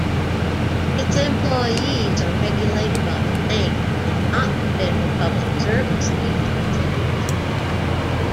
Its employees are regulated by the bank and not the federal public service agencies.